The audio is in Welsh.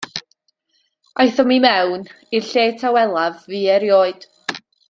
Aethom i mewn, i'r lle tawelaf fu erioed.